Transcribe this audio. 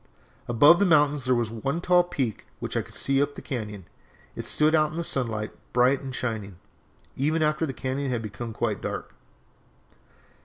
Above the mountains there was one tall peak which I could see up the cañon. It stood out in the sunlight bright and shining, even after the cañon had become quite dark.